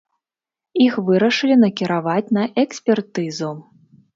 Іх вырашылі накіраваць на экспертызу.